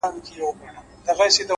کنجکاوي د پوهې سرچینه ده’